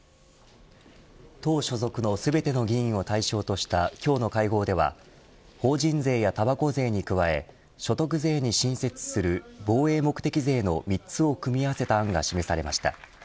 党所属の全ての議員を対象とした、今日の会合では法人税やたばこ税に加え所得税に新設する防衛目的税の３つを組み合わせた案が示されました。